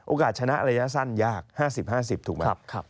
ชนะระยะสั้นยาก๕๐๕๐ถูกไหม